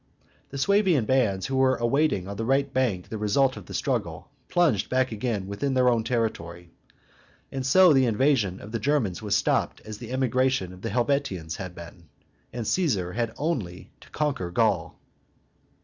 The Suevian bands, who were awaiting on the right bank the result of the struggle, plunged back again within their own territory. And so the invasion of the Germans was stopped as the emigration of the Helvetians had been; and Caesar had only to conquer Gaul.